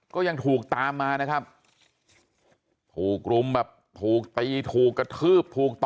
ก็ยังถูกตามมานะครับถูกรุมแบบถูกตีถูกกระทืบถูกต่อ